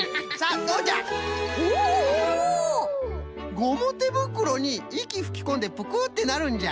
ゴムてぶくろにいきふきこんでプクッてなるんじゃ。